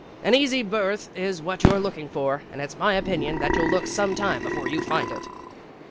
"An easy berth is what your 're looking for, and it's my opinion that you'll look some time before you find it."